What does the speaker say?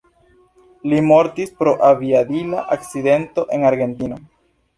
Li mortis pro aviadila akcidento en Argentino.